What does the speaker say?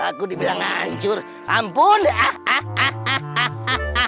aku dibilang ancur ampun hahaha